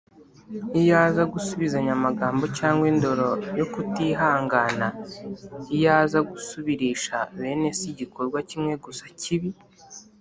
. Iyo aza gusubizanya amagambo cyangwa indoro yo kutihangana, iyo aza gusubirisha bene se igikorwa kimwe gusa kibi,